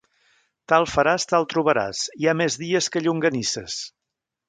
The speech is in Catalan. Tal faràs, tal trobaràs: hi ha més dies que llonganisses.